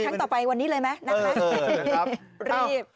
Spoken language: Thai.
ครั้งต่อไปวันนี้เลยไหมนะคะรีบ